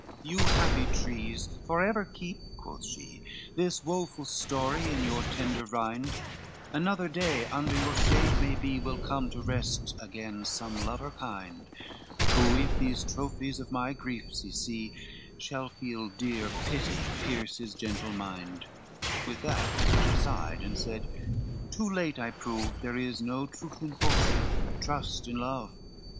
XX "You happy trees forever keep," quoth she, "This woful story in your tender rind, Another day under your shade maybe Will come to rest again some lover kind; Who if these trophies of my griefs he see, Shall feel dear pity pierce his gentle mind;" With that she sighed and said, "Too late I prove There is no troth in fortune, trust in love.